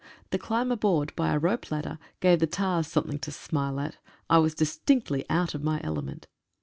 The climb aboard by a rope ladder gave the tars something to smile at. I was distinctly out of my element.